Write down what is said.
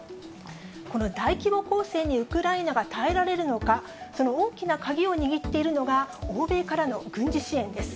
この大規模攻勢にウクライナが耐えられるのか、その大きな鍵を握っているのが、欧米からの軍事支援です。